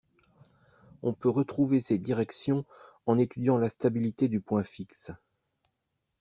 On peut retrouver ces directions en étudiant la stabilité du point fixe